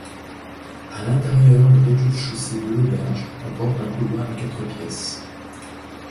À l'intérieur, le rez-de-chaussée de l'auberge comporte un couloir et quatre pièces.